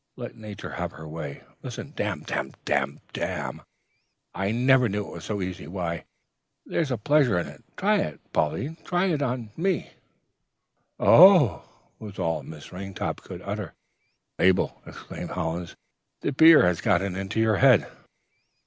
Let Nature have her way. Listen! Damn, damn, damn, damn! I never knew it was so easy. Why, there's a pleasure in it! Try it, Pauline! try it on me!' "'Oh ooh!' was all Miss Ringtop could utter. "'Abel! Abel!' exclaimed Hollins, 'the beer has got into your head.'